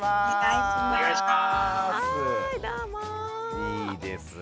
いいですね。